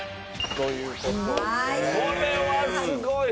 これはすごい。